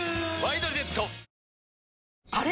あれ？